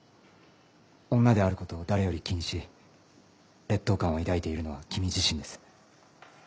女である事を誰より気にし劣等感を抱いているのは君自身です。